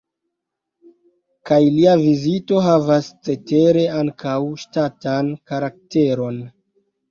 Kaj lia vizito havas cetere ankaŭ ŝtatan karakteron.